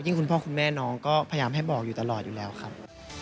คุณพ่อคุณแม่น้องก็พยายามให้บอกอยู่ตลอดอยู่แล้วครับ